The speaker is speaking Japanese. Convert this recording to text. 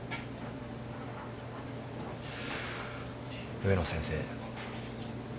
植野先生。